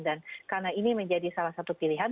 dan karena ini menjadi salah satu pilihan